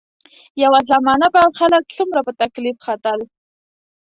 یوه زمانه به خلک څومره په تکلیف ختل.